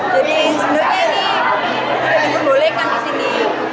jadi sebenarnya ini diperbolehkan di sini